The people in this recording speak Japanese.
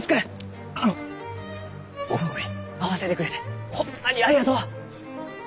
あのこの子に会わせてくれてホンマにありがとう！